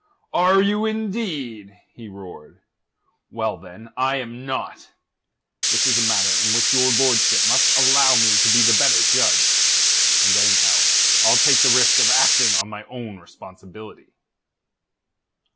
"Are you, indeed?" he roared. "Well, then, I am not. This is a matter in which your lordship must allow me to be the better judge. And, anyhow, I'll take the risk of acting on my own responsibility."